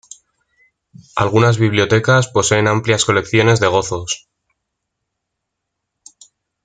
Algunas bibliotecas poseen amplias colecciones de gozos.